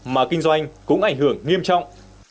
mà kinh doanh cũng ảnh hưởng nghiêm trọng